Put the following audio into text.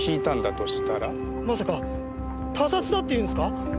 まさか他殺だって言うんですか？